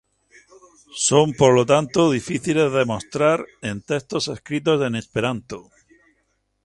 Son, por lo tanto, difíciles de mostrar en textos escritos en esperanto.